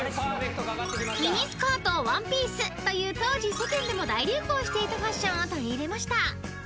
［ミニスカートワンピースという当時世間でも大流行していたファッションを取り入れました］